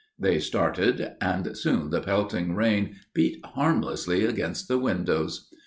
They started, and soon the pelting rain beat harmlessly against the windows.